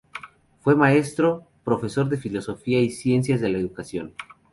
Fue maestro, profesor de filosofía y de ciencias de la educación.